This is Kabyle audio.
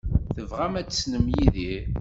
Tebɣam ad tessnem Yidir?